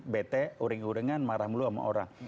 bete uring uringan marah mulu sama orang